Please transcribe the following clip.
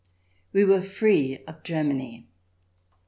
We were free of Germany